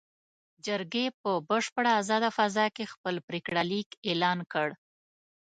جرګې په بشپړه ازاده فضا کې خپل پرېکړه لیک اعلان کړ.